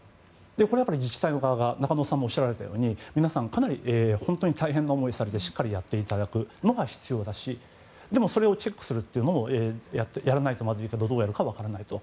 これは自治体側が中野さんもおっしゃったようにかなり大変な思いをされてしっかりやっていただくのが必要だしでも、それをチェックするのもやらないとまずくてどうなるか分からないと。